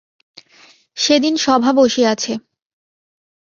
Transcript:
সেদিন সভা বসিয়াছে।